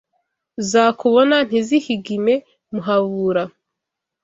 Zakubona ntizihigime Muhabura